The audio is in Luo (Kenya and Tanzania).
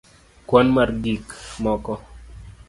kwan mar gik moko